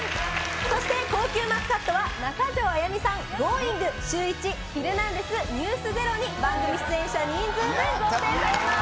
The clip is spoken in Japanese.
そして、高級マスカットは中条あやみさん、Ｇｏｉｎｇ！、シューイチ、ヒルナンデス！、ｎｅｗｓｚｅｒｏに番組出演者人数分が贈呈されます。